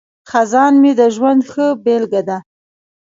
خزان مې د ژوند ښه بیلګه ده.